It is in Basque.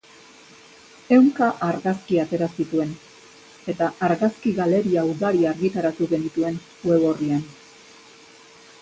Ehunka argazki atera zituen, eta argazki galeria ugari argitaratu genituen web orrian.